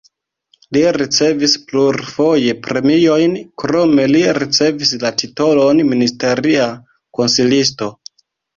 Li ricevis plurfoje premiojn, krome li ricevis la titolon ministeria konsilisto.